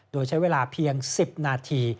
โดยใช้เวลาเพียง๑๐นาที